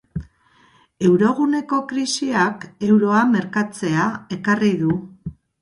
Euroguneko krisiak euroa merkatzea ekarri du.